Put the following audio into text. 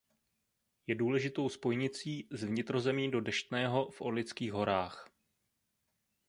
Je důležitou spojnicí z vnitrozemí do Deštného v Orlických horách.